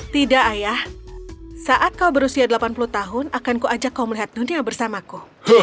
tidak ayah saat kau berusia delapan puluh tahun akan ku ajak kau melihat dunia bersamaku